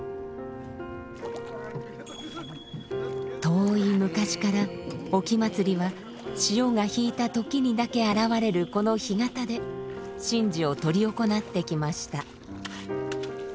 遠い昔から沖祭りは潮が引いた時にだけ現れるこの干潟で神事を執り行ってきました。